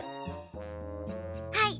はい。